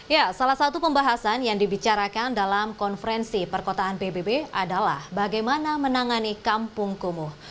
ya salah satu pembahasan yang dibicarakan dalam konferensi perkotaan pbb adalah bagaimana menangani kampung kumuh